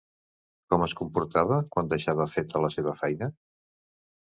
Com es comportava quan deixava feta la seva feina?